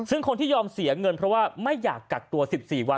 ซึ่งคนที่ยอมเสียเงินเพราะว่าไม่อยากกักตัว๑๔วัน